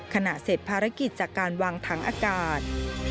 เสร็จภารกิจจากการวางถังอากาศ